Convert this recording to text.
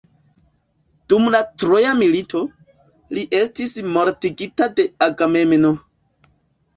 Dum la troja milito, li estis mortigita de Agamemno.